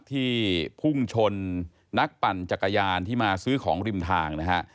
พุ่งชนนักปั่นจักรยานที่มาซื้อของริมทางนะฮะ